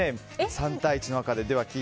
３対１の赤で。